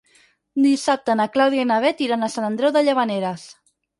Dissabte na Clàudia i na Bet iran a Sant Andreu de Llavaneres.